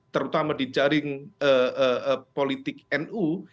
terutama di jaring politik nu